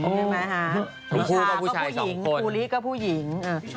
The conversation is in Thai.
ผู้ชายก็ผู้หญิงผู้หลิกก็ผู้หญิง